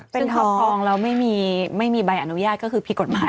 ซึ่งครอบครองแล้วไม่มีใบอนุญาตก็คือผิดกฎหมาย